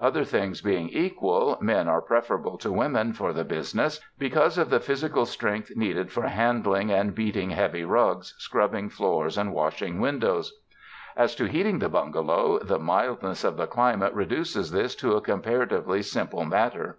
Other things being equal, men are prefer able to women for the business, because of the physical strength needed for handling and beating heavy rugs, scrubbing floors and washing windows. As to heating the bungalow, the mildness of the climate reduces this to a comparatively simple mat ter.